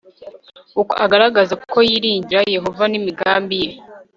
uko agaragaza ko yiringira yehova n imigambi ye